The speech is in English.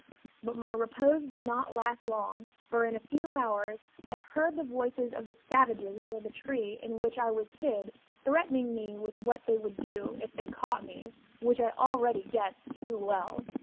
But my repose did not last long, for in a few hours I heard the voices of the savages near the tree in which I was hid threatening me with what they would do if they caught me, which I already guessed too well.